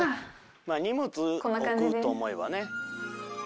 まぁ荷物置くと思えばね。